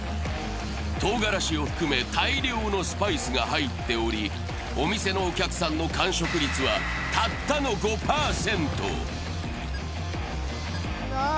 とうがらしを含め大量のスパイスが入っており、お店のお客さんの完食率はたったの５％。